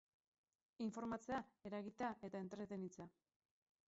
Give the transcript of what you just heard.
Informatzea, eragitea eta entretenitzea.